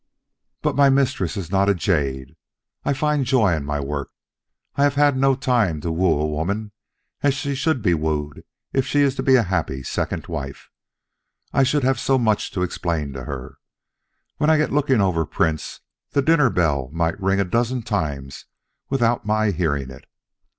"But my mistress is not a jade. I find joy in my work. I have not had time to woo a woman as she should be wooed if she's to be a happy second wife. I should have so much to explain to her. When I get looking over prints, the dinner bell might ring a dozen times without my hearing it.